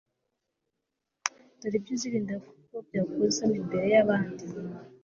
dore ibyo uzirinda kuko byagukoza isoni imbere y'abandi